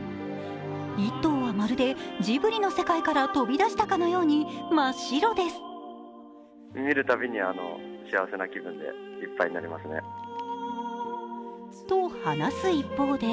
１頭はまるでジブリの世界から飛び出したかのように真っ白です。と話す一方で